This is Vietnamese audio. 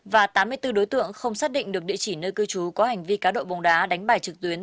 và tám mươi bốn đối tượng không xác định được địa chỉ nơi cư trú có hành vi cá đội bóng đá đánh bài trực tuyến